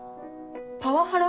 パワハラ？